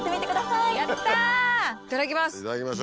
いただきます。